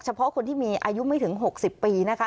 เพาะคนที่มีอายุไม่ถึง๖๐ปีนะคะ